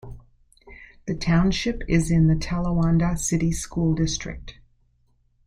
The township is in the Talawanda City School District.